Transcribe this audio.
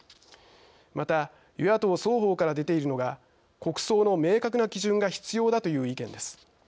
また与野党双方から出ているのが国葬の明確な基準が必要だという意見です。